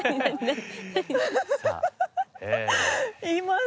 います